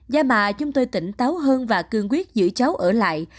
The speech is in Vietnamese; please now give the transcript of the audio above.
gia mà chúng tôi tỉnh táo hơn và cương quyết giữ cháu ở lại